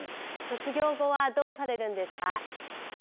卒業後はどうされるんですか？